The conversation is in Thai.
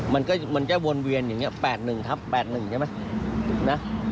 มันก็มันจะวนเวียนอย่างนี้๘๑ทับ๘๑ใช่ไหมนะ